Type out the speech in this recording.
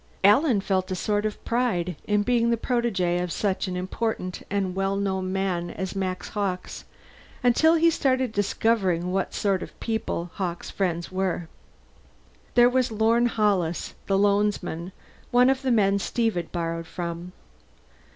Alan felt a sort of pride in being the protege of such an important and widely known man as Max Hawkes, until he started discovering what sort of people Hawkes' friends were. There was Lorne Hollis, the loansman one of the men Steve had borrowed from.